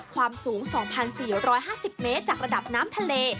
ความสูง๒๔๕๐เมตรจากระดับน้ำทะเล